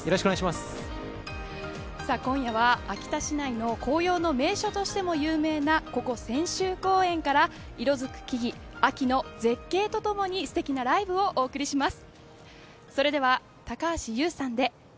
今夜は秋田市内の紅葉の名所としても有名なここ千秋公園から色づく木々、秋の絶景とともにすてきなライブをお送りします。